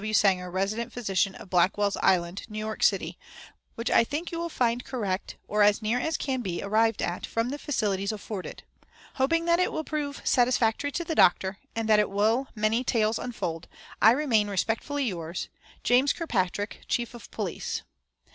W. Sanger, Resident Physician of Blackwell's Island, New York City, which I think you will find correct, or as near as can be arrived at from the facilities afforded. Hoping that it will prove satisfactory to the doctor, and that it will many tales unfold, I remain respectfully yours, "JAS. KIRKPATRICK, Chief of Police.